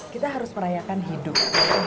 kita harus merayakan hidup